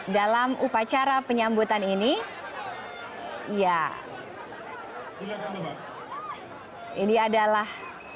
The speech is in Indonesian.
dalam upacara penyambutan ini ya ini adalah